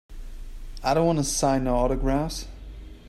I don't wanta sign no autographs.